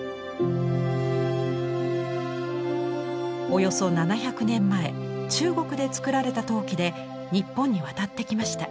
およそ７００年前中国で作られた陶器で日本に渡ってきました。